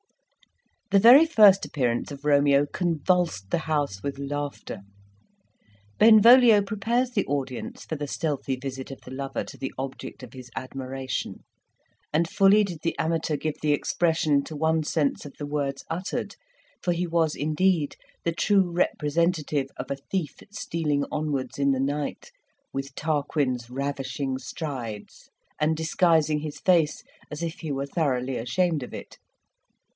The very first appearance of Romeo convulsed the house with laughter. Benvolio prepares the audience for the stealthy visit of the lover to the object of his admiration; and fully did the amateur give the expression to one sense of the words uttered, for he was indeed the true representative of a thief stealing onwards in the night, "with Tarquin's ravishing strides," and disguising his face as if he were thoroughly ashamed of it.